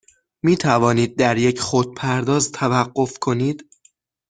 می توانید در یک خودپرداز توقف کنید؟